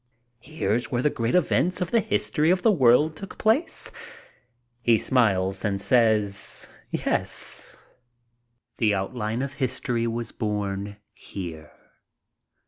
"Here's where the great events in the history of the world took place?" He smiles and says "yes." The Outline of History was born here.